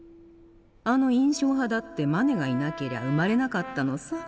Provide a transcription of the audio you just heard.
あの印象派だってマネがいなけりゃ生まれなかったのさ。